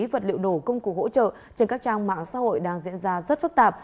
vật liệu nổ công cụ hỗ trợ trên các trang mạng xã hội đang diễn ra rất phức tạp